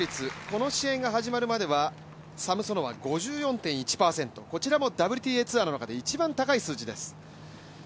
この試合が始まるまではサムソノワ、５４．１％、こちらもＷＴＡツアーの中で一番高い数字です。